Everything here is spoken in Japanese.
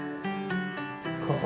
こう？